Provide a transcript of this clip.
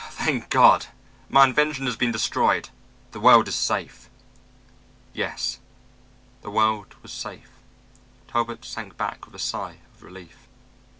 Thank God, my invention has been destroyed. The world is safe." Yes, the world was safe. Talbot sank back with a sigh of relief.